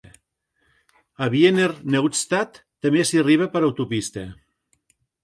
A Wiener Neudstat també s'hi arriba per autopista.